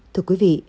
thưa quý vị